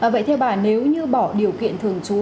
vậy theo bà nếu như bỏ điều kiện thường trú